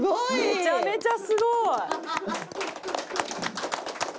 めちゃめちゃすごい！